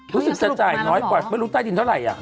รู้สึกจะจ่ายน้อยกว่าไม่รู้ใต้ดินเท่าไหร่